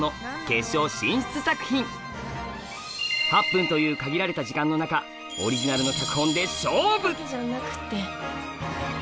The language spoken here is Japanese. ８分という限られた時間の中オリジナルの脚本で勝負！